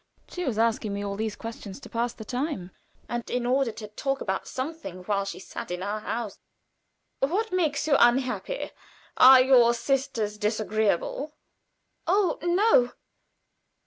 She was asking me all these questions to pass the time, and in order to talk about something while she sat in our house. "What makes you unhappy? Are your sisters disagreeable?" "Oh, no!"